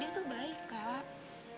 dia tuh baik kak